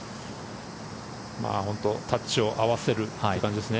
タッチを合わせるっていう感じですね。